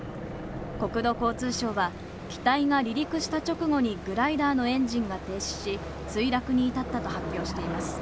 国土交通省は機体が離陸した直後にグライダーのエンジンが停止し、墜落に至ったと発表しています。